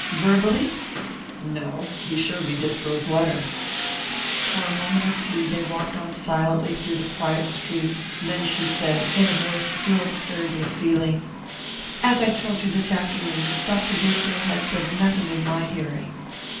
"Verbally?" "No he showed me Disbrow's letter." For a moment or two they walked on silently through the quiet street; then she said, in a voice still stirred with feeling: "As I told you this afternoon, Dr. Disbrow has said nothing in my hearing."